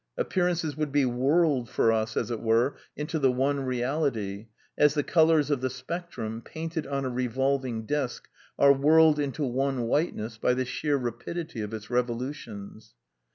*® Ap pearances would be whirled for us, as it were, into the one Beality, as the colours of the spectrum, painted on a re volving disc, are whirled into one whiteness by the sheer rapidity of its revolutions.